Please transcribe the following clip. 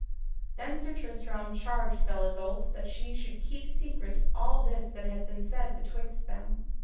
Then Sir Tristram charged Belle Isoult that she should keep secret all this that had been said betwixt them.